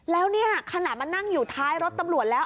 แล้วเนี่ยขณะมานั่งอยู่ท้ายรถตำรวจแล้ว